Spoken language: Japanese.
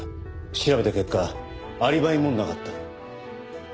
調べた結果アリバイもなかった。